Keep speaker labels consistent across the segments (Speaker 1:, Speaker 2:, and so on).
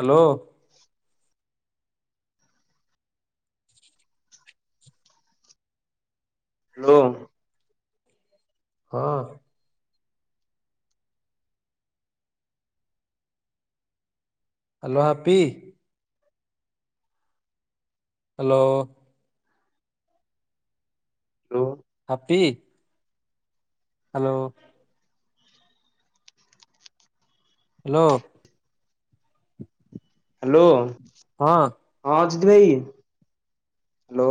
Speaker 1: Hello.
Speaker 2: [inaudible] [inaudible] ଲୋ।
Speaker 1: ହଁ। Hello happy? Hello.
Speaker 2: ଲୋ।
Speaker 1: Happy. Hello. Hello.
Speaker 2: Hello.
Speaker 1: ହଁ।
Speaker 2: ହଁ ଅଜିତି ଭାଇ ହାଲୋ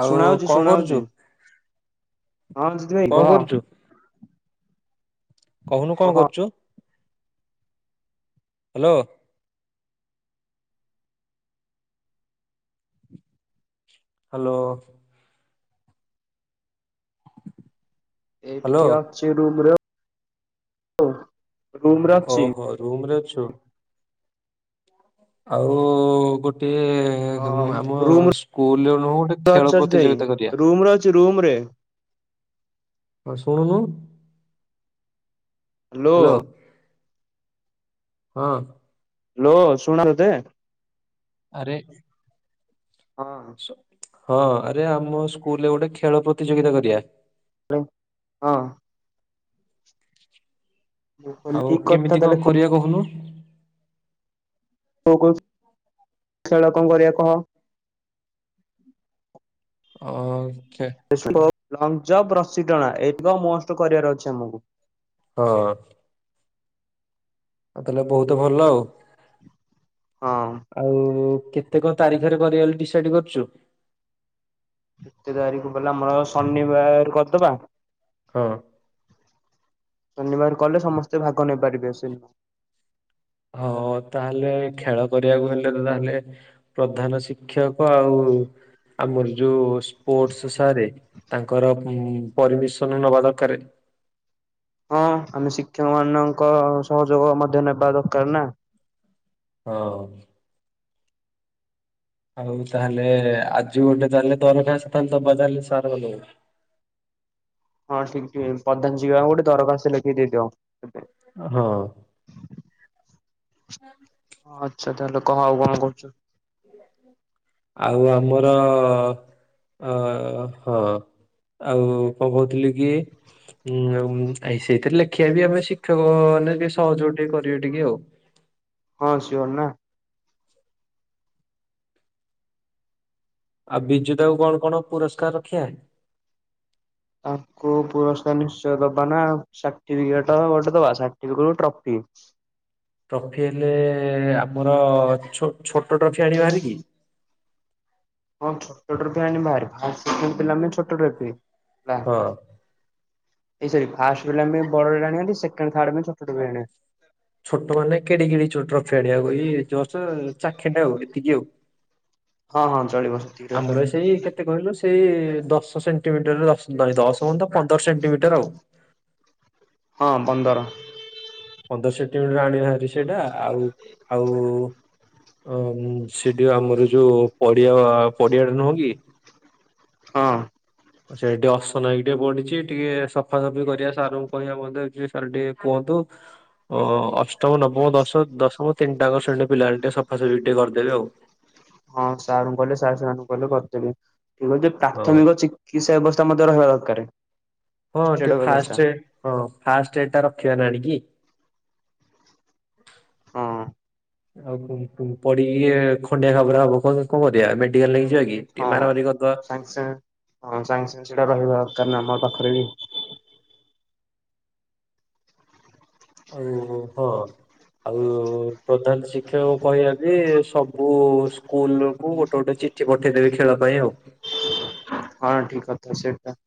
Speaker 1: ଆଉ
Speaker 2: ଶୁଣାହଉଛି
Speaker 1: କଣ କରୁଛୁ
Speaker 2: ଶୁଣାହଉଛି। ହଁ ଅଜିତି ଭାଇ
Speaker 1: କଣ
Speaker 2: କହ?
Speaker 1: କରୁଛୁ କହୁନୁ କଣ
Speaker 2: କହ
Speaker 1: କର୍ଚୁ? ହାଲୋ। ହାଲୋ। ହ୍ୟାଲୋ
Speaker 2: ଏଇଠି ଅଛି ରୁମ୍ ରେ ଅଉ
Speaker 1: ଓହୋ ରୁମ୍ ରେ ଅଛୁ। ଆଉ ଗୋଟିଏ ହେ
Speaker 2: ହଁ
Speaker 1: ହେମ ଆମ
Speaker 2: ରୁମରେ
Speaker 1: ସ୍କୁଲ୍ ରେ ନୁହଁ ଗୋଟେ
Speaker 2: ଅଛି
Speaker 1: ଖେଳ
Speaker 2: ଅଜିତ ଭାଇ
Speaker 1: ପ୍ରତିଯୋଗିତା କରିବା।
Speaker 2: ରୁମରେ ରୁମରେ
Speaker 1: ହଉ ଶୁଣୁନୁ?
Speaker 2: ହ୍ୟାଲୋ।
Speaker 1: ହଁ।
Speaker 2: ହ୍ୟାଲୋ ଶୁଣା ତତେ
Speaker 1: ଆରେ
Speaker 2: ହଁ
Speaker 1: ହଁ ଆରେ ଆମ ସ୍କୁଲରେ ଗୋଟେ ଖେଳ ପ୍ରତିଯୋଗିତା କରିବା?
Speaker 2: ହ ହଁ। ମୁଁ କହିଲି
Speaker 1: ଆଉ
Speaker 2: ଠିକ କଥା
Speaker 1: କେମିତି
Speaker 2: ତାହେଲେ
Speaker 1: କଣ କରିବା କହୁନୁ?
Speaker 2: କେ କେ ଖେଳ କଣ କରିବା କହ?
Speaker 1: ଅ ଖେ
Speaker 2: ଲଙ୍ଗଜପ ରଶୀଟଣା ଏଇତକ ମୋଷ୍ଟ କରିବାର ଅଛି ଆମକୁ।
Speaker 1: ହଁ। ଆଉ ତାହେଲେ ବହୁତ ଭଲ ଆଉ
Speaker 2: ହଁ।
Speaker 1: ଆଉ କେତେ କଣ ତାରିଖରେ କରିବା ଡିସାଇଡ କରୁଛୁ?
Speaker 2: କେତେ ତାରିଖ ବଲା ଆମର ଶନିବାର କରିଦବା।
Speaker 1: ହଁ।
Speaker 2: ଶନିବାର କଲେ ସମସ୍ତେ ଭାଗ ନେଇପାରିବେ ସେ
Speaker 1: ହଉ ତାହେଲେ ଖେଳ କରିବାକୁ ହେଲେ ତ ତାହେଲେ ପ୍ରଧାନ ଶିକ୍ଷକ ଆଉ ଆମର ଯୋଉ ସ୍ପୋର୍ଟସ ସାରେ ତାଙ୍କର ପରମିସନ ନବା ଦରକାର।
Speaker 2: ହଁ ଆମେ ଶିକ୍ଷକ ମାନଙ୍କ ସହଯୋଗ ମଧ୍ୟ ନେବା ଦରକାର ନା?
Speaker 1: ହଁ। ଆଉ ତାହେଲେ ଆଜି ଗୋଟେ ଚାଲେ ଦରଖାସ୍ତ ଦବା ଚାଲେ ସାରମାନଙ୍କୁ।
Speaker 2: ହଁ ଠିକ ଟିକେ ବର୍ତମାନ ଯିବା ଗୋଟେ ଦରଖାସ୍ତ୍ ଲେଖି ଦେଇଦିଅ।
Speaker 1: ହଁ। ହଁ
Speaker 2: ହଁ ଆଛା ତାେହାଲେ ଆଉ କଣ କରୁଛୁ?
Speaker 1: ଆଉ ଆମର ଅ ହଁ। ଆଉ କଣ କହୁଥିଲି କି? ଉଁ ଆ ସେଇଥିରେ ଲେଖିବା ବି ଆମେ ଶିକ୍ଷକ ମାନେ ଟିକେ ସହଯୋଗ ଟିକେ କରିବେ ଟିକେ ଆଉ
Speaker 2: ହଁ ସିଓର ନା?
Speaker 1: ଆଉ ବିଜୁତାକୁ କଣ କଣ ପୁରସ୍କାର ରଖିବା?
Speaker 2: ତାଙ୍କୁ ପୁରସ୍କାର ନିଶ୍ଚୟ ଦବା ନା ସାର୍ଟିଫିକେଟ ଗୋଟେ ଦବା ସାର୍ଟିଫିକେଟକୁ ଟ୍ରଫି।
Speaker 1: ଟ୍ରଫି ହେଲେ ଆମର ଛୋଟ ଟ୍ରଫି ଆଣିବାଭାରି କି?
Speaker 2: ହଁ ଛୋଟ ଟ୍ରଫି ଆଣିବା ଭାରି ଫାଷ୍ଟ ସେକେଣ୍ଡ ପିଲା ପାଇଁ ଛୋଟ ଟ୍ରଫି। ହେଲା
Speaker 1: ହଁ।
Speaker 2: ଏଇ ସରି ଫାଷ୍ଟେ ପିଲାଙ୍କ ପାଇଁ ବଡ ଟ୍ରଫି ଆଣିବା ଭାରି ସେକେଣ୍ଡ ଥାଡ ପାଇଁ ଛୋଟ ଟ୍ରଫି ଆଣିବା।
Speaker 1: ଛୋଟ ମାନେ କେଡି କେଡି ଛୋଟ ଟ୍ରଫି ଆଣିବା [unintelligible] ଏଇ ଚାଖଣ୍ଡେ ଆଉ ଏତିକି ଆଉ
Speaker 2: ହଁ ହଁ ଚଳିବ ସେତିକିରେ
Speaker 1: ଆମର ସେଇ କେତେ କହିଲୁ ସେଇ ଦଶ ସେଣ୍ଟିମିଟର ଦଶ ହ ପନ୍ଦର ସେଣ୍ଟିମିଟର ଆଉ
Speaker 2: ହଁ ପନ୍ଦର।
Speaker 1: ପନ୍ଦର ସେଣ୍ଟିମିଟର ଆଣିବାଭାରି ସେଇଟା ଆଉ ଆଉ ଅ ସେଠି ଆମର ଯୋଉ ପଡିଆ ପଡିଆ ଟା ନୁହଁ କି?
Speaker 2: ହଁ।
Speaker 1: ସେଇଟି ଅସନା ହେଇଟିକେ ବଡିଚି ଟିକେ ସଫାସଫି କରିଆ ସାର୍ ଙ୍କୁ କହିବା [inaudible] ସାର୍ ଟିକେ କୁହନ୍ତୁ। ଓ ଅଷ୍ଟମ ନବମ ଦଶ ଦଶମ ତିନିଟାଙ୍କ ଶ୍ରେଣି ରପିଲା ହେଲେ ଟିକେ ସଫାସଫି ଟିକେ କରିଦେବେ ଆଉ।
Speaker 2: ହଁ ସାର୍ଙ୍କୁ କହିଲେ ସାର୍ ସେମାନଙ୍କୁ କହିଲେ କରିଦେବେ ଠିକ୍ ଅଛି।
Speaker 1: ହଁ
Speaker 2: ପ୍ରାଥମିକ ଚିକ୍ ଚିକିତ୍ସା ବେବସ୍ଥା ମଧ୍ୟ ରହିବା ଦରକାରେ।
Speaker 1: ହଁ ଟିକେ ଫାଷ୍ଟେ ରେ ହଁ ଫାଷ୍ଟେ ଏ ଟା ରଖିବା ନା ଆଣିକି।
Speaker 2: ହଁ
Speaker 1: ଆଉ କୁମ୍ କୁମ୍ ପଡିକି ଖଣ୍ଡିଆ ଖାବରା ହବ କଁ କଁ କରିଆ ମେଡିକାଲ୍ ନେଇକି ଯିବା କି?
Speaker 2: ହଁ
Speaker 1: କେମେରା ଧରିକି କରିଦବା।
Speaker 2: ସାଙ୍ଗେ ସାଙ୍ଗେ ହଁ ସାଙ୍ଗେ ସାଙ୍ଗେ ସେଇଟା ରହିବା କାରଣ ଆମ ପାଖରେ ବି
Speaker 1: ଆଉ ହଁ। ଆଉ ପ୍ରଧାନ ଶିକ୍ଷକ ଙ୍କୁ କହିଆ ଯେ ସବୁ ସ୍କୁଲ କୁ ଗୋଟେ ଗୋଟେ ଚି ଚିଠି ପଠେଇଦେବେ ଖେଳ ପାଇଁ ଆଉ।
Speaker 2: ହଁ ଠିକ୍ କଥା ସେଟା।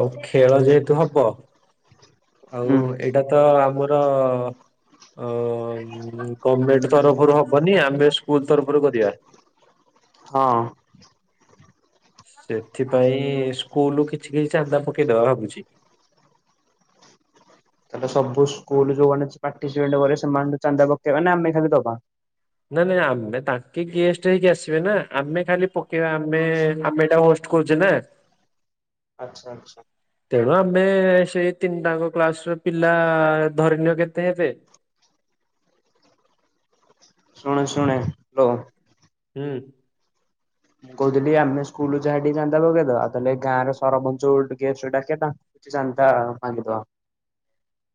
Speaker 1: ଆଉ ଖେଳ ଯେହେତୁ ହବ,
Speaker 2: ହୁଁ
Speaker 1: ଆଉ ଏଇଟା ତ ଆମର ଗର୍ମେଣ୍ଟ ତରଫରୁ ହବନି ଆମେ ସ୍କୁଲ ତରଫରୁ କରିବା।
Speaker 2: ହଁ।
Speaker 1: ସେଥିପାଇଁ ସ୍କୁଲ ରୁ କିଛି କିଛି ଚାନ୍ଦା ପକେଇ ଦବା ଭାବୁଚି।
Speaker 2: ତାହେଲେ ସବୁ ସ୍କୁଲ ଯୋଉମାନେ ଆସି ପାର୍ଟିସିପେଟ୍ କରିବେ ସେମାନଙ୍କୁୁ ଚାନ୍ଦା ପକେଇବା ନା ଆମେ ଖାଲି ଦବା?
Speaker 1: ନା ନା ନାଇଁ ଆମେ ତାଙ୍କେ ଗେଷ୍ଟ ହେଇକି ଆସିବେ ନା ଆମେ ଖାଲି ପକେଇବା ଆମେ [inaudible] କହୁଚି ନା।
Speaker 2: ଆଚ୍ଛା ଆଚ୍ଛା।
Speaker 1: ତେଣୁ ଆମେ ସେଇ ତିନି ଟାଙ୍କ କ୍ଲାସ ର ପିଲା ଧରି ନିଅ କେତେ ହେବେ?
Speaker 2: ଶୁଣ ଶୁଣ ବ୍ରୋ।
Speaker 1: ହୁଁ।
Speaker 2: ମୁଁ କହୁଥିଲି ଆମେ ସ୍କୁଲ ଯାହାବି ଚାନ୍ଦା ପକେଇଦବା ଆଉ ତା ଏଲେ ଗାଁର ସରପଞ୍ଚଙ୍କୁ ଟିକେ ଡାକିଆ ତା କିଛି ଚାନ୍ଦା ମାଗିଦବା।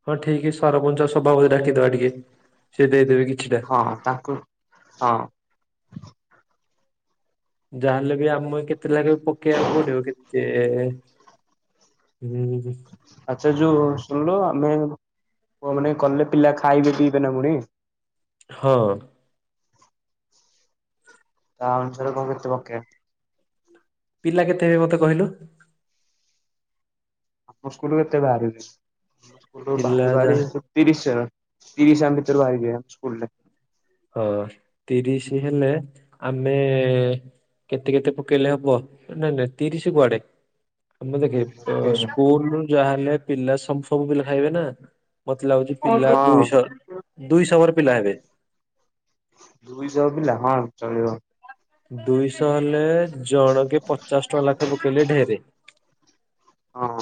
Speaker 1: ହଁ ଠିକ୍ ସରପଞ୍ଚ ସଭାପତି କି ଡାକିଦେବା ଟିକେ ସିଏ ଦେଇଦେବେ କିଛିଟା।
Speaker 2: ହଁ, ତାକୁ ହଁ।
Speaker 1: ଯାହାହେଲେ ବି ଆମକୁ କେତେ ଲାଖେ ପକେଇଆକୁ ପଡିବ କେତେ ହୁଁ।
Speaker 2: ଆଚ୍ଛା ଯୋଉ ଶୁଣିଲ ଆମେ ମାନେ [inaudible] କଲେ ପିଲା ଖାଇବେ ପିଇବେ ନା ପୁଣି।
Speaker 1: ହଁ।
Speaker 2: ତା ଅନୁସାରେ କଁ କେତେ ପକେଇଆ?
Speaker 1: ପିଲା କେତେ ହେବେ ମତେ କହିଲୁ?
Speaker 2: ଆମ ସ୍କୁଲୁ ଏତେ ବାହାରିିବେନି ଆମ ସ୍କୁଲ୍ ରୁ
Speaker 1: ପିଲା
Speaker 2: ବାହାରୁ
Speaker 1: ଯା
Speaker 2: ବାହାରି ସେ ତିରିଶ୍ ଜଣ ତିରିଶ୍ ଜଣ ଭିତରେ ବାହାରି ଯିବେ ସ୍କୁଲରେ।
Speaker 1: ହଁ, ତିରିଶି ହେଲେ ଆମେ କେତେ କେତେ ପକେଇଲେ ହବ ଏ ନାଇଁ ନାଇଁ ତିରିଶି କୁଆଡେ। ମାନେ ଦେଖେ ସ୍କୁଲୁ ଯାହା ହେଲେ ପିଲା ସମ୍ ସବୁ ପିଲା ଖାଇବେ ନା? ମତେ ଲାଗୁଚି ପିଲା
Speaker 2: ହଁ
Speaker 1: ଦୁଇଶହ ଦୁଇଶହ ଓଭର ପିଲା ହେବେ।
Speaker 2: ଦୁଇଶହ ପିଲା ହଁ ଚଳିବ।
Speaker 1: ଦୁଇଶହ ହେଲେ ଜଣକେ ପଚାଶ୍ ଟଙ୍କା ଲାଖେ ପକେଇଲେ ଢେର୍।
Speaker 2: ହଁ।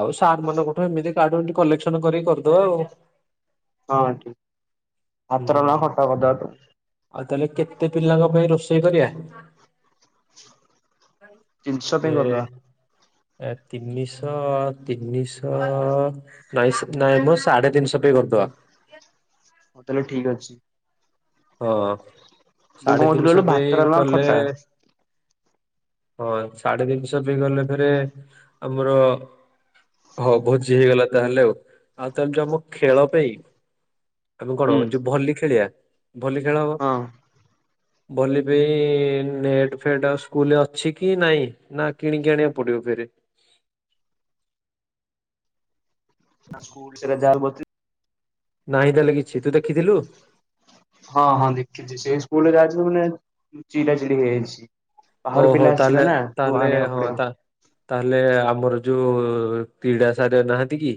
Speaker 1: ଆଉ ସାର୍ ମାନଙ୍କଠୁ ଏମିତି କାଠୁ ଏମି କଲେକ୍ସନ୍ କରିକି କରିଦବା ଆଉ।
Speaker 2: ହଁ ଠିକ୍ ଭାତ ଡାଲମା
Speaker 1: ହୁଁ
Speaker 2: ଖଟା କରିଦବା ତ।
Speaker 1: ଆଉ ତାହେଲେ କେତେ ପିଲାଙ୍କ ପାଇଁ ରୋଷେଇ କରିବା?
Speaker 2: ତିନିଶହ ପାଇଁ
Speaker 1: ଏ
Speaker 2: କରିଦବା
Speaker 1: ଏ ତିନିଶହ ତିନିଶହ ନାଇଁ ସେ ନାଇଁ ମ ସାଢେ ତିନିଶହ ପାଇଁ କରିଦବା।
Speaker 2: ହଉ ତାହାଲେ ଠିକ୍ ଅଛି।
Speaker 1: ହଁ
Speaker 2: ମୁଁ କଣ
Speaker 1: ସାଢେ
Speaker 2: କହୁଥିଲି କହିଲୁ
Speaker 1: ତିନିଶହ
Speaker 2: ଭାତ
Speaker 1: ପାଇଁ
Speaker 2: ଡାଲମା
Speaker 1: କଲେ
Speaker 2: ଖଟା
Speaker 1: ହଁ ସାଢେ ତିନିଶହ ପାଇଁ କଲେ ଫେରେ ଆମର ହଁ ଭୋଜୀ ହେଇଗଲା ତାହେଲେ ଆଉ ଆଉ ତାହାଲେ ଯୋଉ ଆମ ଖେଳ ପାଇଁ ଆମେ
Speaker 2: ହୁଁ
Speaker 1: କଣ ଯୋଉ ଭଲି ଖେଳିବା ଭଲି ଖେଳ ହବ।
Speaker 2: ହଁ
Speaker 1: ଭଲି ପେଇଁ ନେଟ୍ ଫେଟ୍ ଆଉ ସ୍କୁଲରେ ଅଛି କି ନାଇଁ। ନା କିଣିକି ଆଣିବାକୁ ପଡିବ ଫେରେ।
Speaker 2: ସେରା ସ୍କୁଲ୍ [unintelligible]
Speaker 1: ନାହିଁ ତାହେଲେ କିଛି ତୁ ଦେଖିଥିଲୁ।
Speaker 2: ହଁ ହଁ ଦେଖିଚି ସେଇ ସ୍କୁଲ ଯାଇଥିଲୁ ମାନେ ଚିରା ଚିରି ହେଇଯାଇଛି। ବାହାରୁ
Speaker 1: ଓହୋ
Speaker 2: ପିଲା ଆସିବେ
Speaker 1: ତାହାଲେ
Speaker 2: ନା ସବୁ
Speaker 1: ତାହାଲେ
Speaker 2: ଆଣିବାକୁ
Speaker 1: ହଁ
Speaker 2: ପଡିବ
Speaker 1: ତା ତାହେଲେ ଆମର ଯୋଉ କ୍ରୀଡ଼ା ସାରେ ନାହାନ୍ତି କି।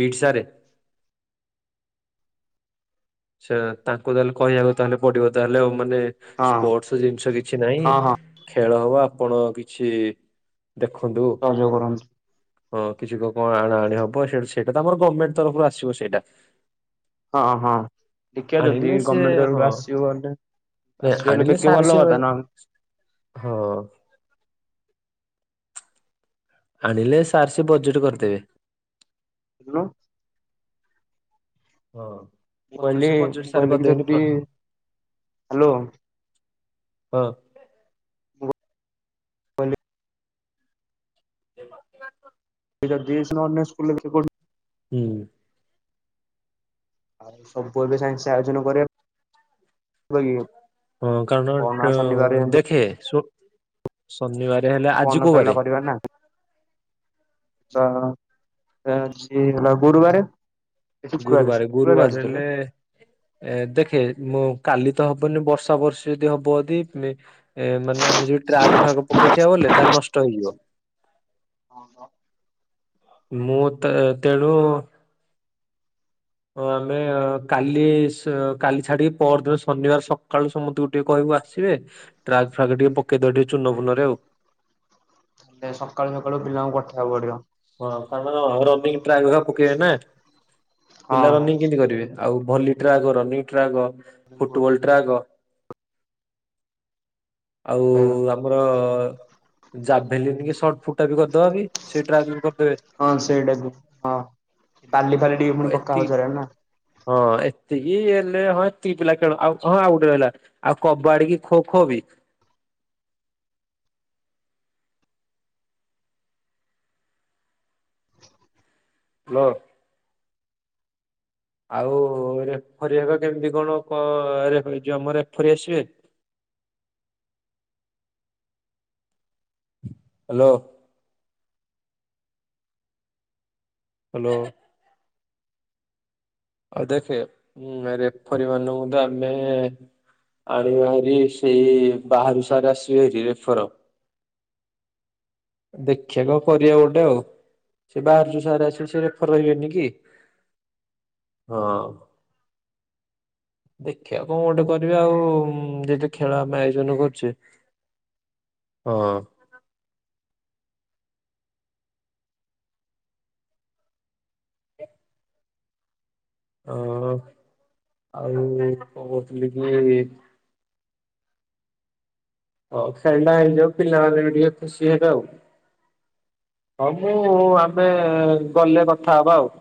Speaker 1: ପିଟ୍ ସାରେ। ସେ ତାଙ୍କୁ ତାହେଲେ କହିବାକୁ ତାହେଲେ ପଡିବ ତାହେଲେ ଆଉ ମାନେ
Speaker 2: ହଁ
Speaker 1: ସ୍ପୋର୍ଟସ ଜିନିଷ କିଛି
Speaker 2: ହଁ
Speaker 1: ନାହିଁ
Speaker 2: ହଁ
Speaker 1: ଖେଳ ହବ ଆପଣ କିଛି ଦେଖନ୍ତୁ।
Speaker 2: ସହଯୋଗ କରନ୍ତୁ
Speaker 1: ହଁ କିଛି କ କଣ ଆଣା ଆଣି ହବ ସେଇ ସେଇଟା ତ ଆମର ଗମେଣ୍ଟେ ତରଫରୁ ଆସିବ ସେଇଡା।
Speaker 2: ହଁ ହଁ। ଦେଖିବା ଯଦି
Speaker 1: ଆଣିଲେ ସେ
Speaker 2: ଗମେଣ୍ଟେ ତରଫୁ
Speaker 1: ହଁ
Speaker 2: ଆସି ଗଲେ
Speaker 1: ନାଇଁ
Speaker 2: ଆସି ଗଲେ
Speaker 1: ଆଣିଲେ
Speaker 2: ବେଗି
Speaker 1: ସାର୍ ସେ
Speaker 2: ଭଲ କଥା ନହନେ
Speaker 1: ହଁ। ଆଣିଲେ ସାର୍ ସେ ବଜେଟ୍ କରିଦେବେ।
Speaker 2: [unintelligible]
Speaker 1: ହଁ ପଛରେ
Speaker 2: କହିଲି
Speaker 1: ସେ ବଜେଟ୍
Speaker 2: ମୁଁ
Speaker 1: ସାର
Speaker 2: କହିଲି କି
Speaker 1: କରିଦେବେନି
Speaker 2: ଯଦି ହ୍ୟାଲୋ
Speaker 1: [unintelligible] ହଁ।
Speaker 2: ମୁଁ [unintelligible]
Speaker 1: [unintelligible]
Speaker 2: [unintelligible]
Speaker 1: ହୁଁ।
Speaker 2: ଆଉ ସବୁ ଏବେ ସାଙ୍ଗେ ସାଙ୍ଗେ ଆୟୋଜନ କରିବା [unintelligible]
Speaker 1: ହଁ
Speaker 2: ପଅରଦିନ
Speaker 1: କାରଣ
Speaker 2: ଶନିବାର
Speaker 1: ଦେଖେ ଶୁ ଶନିବାରେ ହେଲେ ଆଜି
Speaker 2: ପଅରଦିନ
Speaker 1: କୋଉ
Speaker 2: ଖେଳଟା
Speaker 1: ବାରେ।
Speaker 2: କରିବା ନା। ତ ଆଜି ହେଲା ଗୁରୁବାରେ। ଏ ଶୁକ୍ରବାରେ
Speaker 1: ଗୁରୁବାରେ
Speaker 2: ଶୁକ୍ରବାରେ
Speaker 1: ଗୁରୁବାରେ
Speaker 2: ଆଜି ତାହେଲେ।
Speaker 1: ହେଲେ। ଏ ଦେଖେ ମୁଁ କାଲି ତ ହବନି ବର୍ଷା ବର୍ଷୀ ଯଦି ହବ ଯଦି ମେ ଏ ମାନେ ଆମେ ଯୋଉ ଟ୍ରାକ ଫ୍ରାକ ପକେଇଥିବା ବୋଲେ ତାହେଲେ ନଷ୍ଟ ହେଇଯିବ। ମୁଁ ତ ତେଣୁ ଓ ଆମେ କାଲି ସ୍ କାଲି ଛାଡିକି ପହରଦିନ ଶନିବାର ସକାଳୁ ସମସ୍ତେ ଉ ଟିକେ କହିବୁ ଆସିବେ ଟ୍ରାକ୍ ଫ୍ରାକ୍ ଟିକେ ପକେଇଦେବା ଟିକେ ଚୁନ ଫୁନରେ ଆଉ
Speaker 2: ଏ ସକାଳୁ ସକାଳୁ ପିଲାଙ୍କୁ ପଠେଇବାକୁ ପଡ଼ିବ।
Speaker 1: ହଁ କାରଣ ରନିଙ୍ଗୀ ଟ୍ରାକ୍ ଫ୍ରାକ୍ ପକେଇବେ ନା ପିଲା ରନିଙ୍ଗୀ କେମିତି
Speaker 2: ହଁ
Speaker 1: କରିବେ ଆଉ volley track running track football track ଆଉ
Speaker 2: ହଁ।
Speaker 1: ଆମର ଜାଭେଲିଙ୍ଗ ସଟ ଫୁଟା ବି କରିଦବାକି ସେଇ ଟ୍ରାଭେଲ କରିଦେବେ
Speaker 2: ହଁ ସେଇଟାକୁ ହଁ ବାଲି ଫାଲି ଟିକେ
Speaker 1: ଓ
Speaker 2: ପୁଣି ପକା
Speaker 1: ଏତିକି
Speaker 2: ହଉଛି
Speaker 1: ହଁ ଏତିକି ହେଲେ ହଁ ଏତିକି ପିଲା ଖେଳ ଆଉ ହଁ ଆଉ ଗୋଟେ ରହିଲା। ଆଉ କବାଡ଼ି କି ଖୋ ଖୋ ବି ହଁ। ଆଉ ରେଫରି ୟାର କେମିତି କଣ କ ରେ ଯମ ରେଫରି ୟସନ ହ୍ୟାଲୋ ହ୍ୟାଲୋ ଆଉ ଦେଖେ ଉଁ ରେଫରିୟା ମାନଙ୍କୁ ତ ଆମେ ଆଣିବା ହେରି ସେଇ ବାହାରୁ ସାର ଆସିବେ ରେଫର୍ ଦେଖିବା କଣ କରିବା ଗୋଟେ ଆଉ। ସେ ବାହାରୁ ଯୋଉଁ ସାର ଆସିବେ ସେ ରେଫର୍ ରହିବେନି କି? ହଁ। ଦେଖିବା କଣ ଗୋଟେ କରି ଆଉ ଯେହେତୁ ଖେଳ ଆମେ ଆୟୋଜନ କରୁଛେ ହଁ। ଓ ହୋ ଆଉ କଣ କହୁଥିଲି କି ହଉ ସେଣ୍ଡା ହେଇଯାଉ ପିଲାମାନେ ଟିକ ଖୁସି ହେବେ ଆଉ। ହଁ ମୁଁ ଆମେ ଗଲେ କଥା ହବା ଆଉ।